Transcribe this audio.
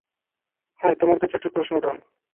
High তোমার কাছে একটা প্রশ্ন ডন।